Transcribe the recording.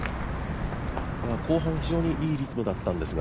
後半、非常にいいリズムだったんですが。